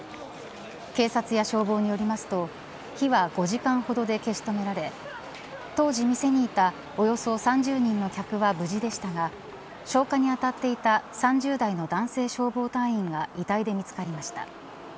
警察や消防によりますと火は５時間ほどで消し止められ当時店にいた、およそ３０人の客は無事でしたが消火に当たっていた３０代の男性消防隊員が遺体で見つかりました。